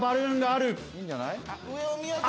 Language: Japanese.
いいんじゃない？